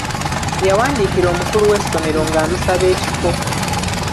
Yawandiikira omukulu w’essomero ng’amusaba ekifo.